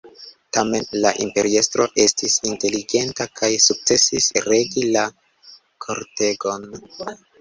Tamen, la imperiestro estis inteligenta kaj sukcesis regi la kortegon.